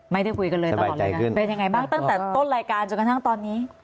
ไม่ได้คุยกันเลยตลอดเลยนะเป็นยังไงบ้างตั้งแต่ต้นรายการจนกระทั่งตอนนี้